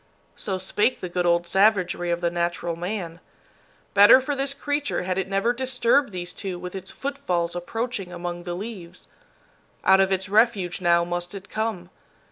So spake the good old savagery of the natural man. Better for this creature had it never disturbed these two with its footfalls approaching among the leaves. Out of its refuge now must it come.